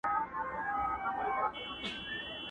o د ډول ږغ د ليري ښه خوند کوي٫